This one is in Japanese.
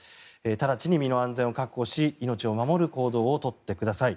直ちに身の安全を確保し命を守る行動を取ってください。